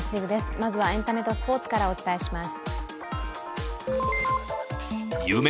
まずはエンタメとスポーツからお伝えします。